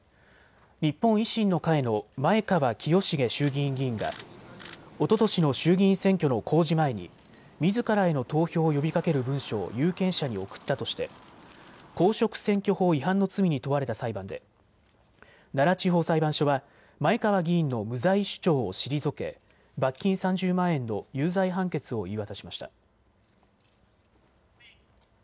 日本維新の会の前川清成衆議院議員がおととしの衆議院選挙の公示前にみずからへの投票を呼びかける文書を有権者に送ったとして公職選挙法違反の罪に問われた裁判で奈良地方裁判所は前川議員の無罪主張を退け罰金３０万円の有罪判決を言い渡しました。